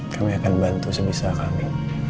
kami akan bantu sebisa kami